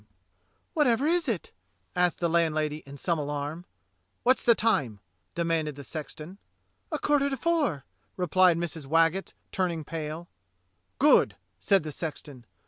14 THE COMING OF THE KING'S MEN 15 "Whatever is it?" asked the landlady in some alarm. "What's the time?" demanded the sexton. "A quarter to four," replied Mrs. Waggetts, turning pale. "Good!" said the sexton.